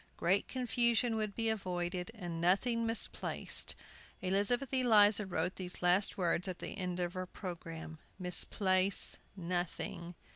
Great confusion would be avoided and nothing misplaced. Elizabeth Eliza wrote these last words at the head of her programme, "Misplace nothing."